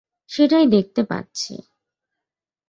সেটাই দেখতে পাচ্ছি।